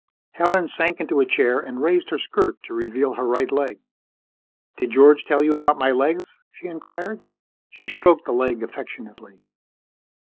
Helen sank into a chair and raised her skirt to reveal her right leg. "Did George tell you about my legs?" she inquired. She stroked the leg affectionately.